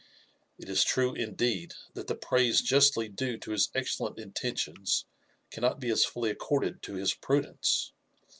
It is true, ipdeed, that the praise justly due to his excellent inten tions cannot be as fully accorded to his prudence.